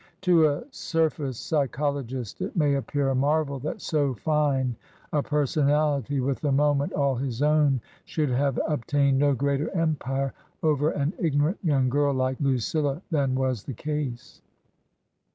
To a surface psychologist it may appear a marvel that so fine a personality — with the moment all his own — should have obtained no greater empire over an ignorant young girl like Lucilla than was the case.